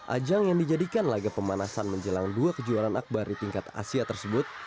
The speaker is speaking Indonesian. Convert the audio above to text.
ajang yang dijadikan laga pemanasan menjelang dua kejuaraan akbar di tingkat asia tersebut